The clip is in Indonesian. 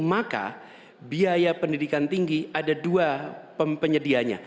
maka biaya pendidikan tinggi ada dua penyedianya